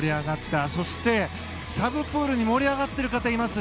そしてサブプールに盛り上がっている方がいます。